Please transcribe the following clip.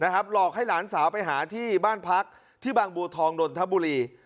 หลอกให้หลานสาวไปหาที่บ้านพักที่บางบัวทองนนทบุรี